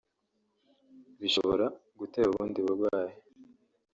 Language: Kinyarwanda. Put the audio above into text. bishobora gutera ubundi burwayi